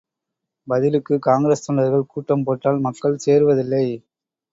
பதிலுக்கு, காங்கிரஸ் தொண்டர்கள் கூட்டம் போட்டால் மக்கள் சேருவதில்லை.